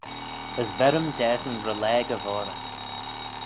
As ver-ym dasyn rollage y voghrey.